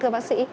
thưa bác sĩ